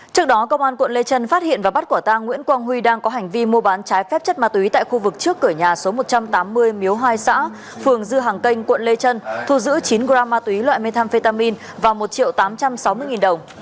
trước đó công an quận lê trân phát hiện và bắt quả tang nguyễn quang huy đang có hành vi mua bán trái phép chất ma túy tại khu vực trước cửa nhà số một trăm tám mươi miếu hai xã phường dư hàng kênh quận lê trân thu giữ chín gram ma túy loại methamphetamine và một triệu tám trăm sáu mươi đồng